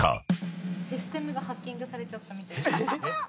システムがハッキングされちゃったみたい。